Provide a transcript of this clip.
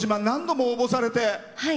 何度も応募されて。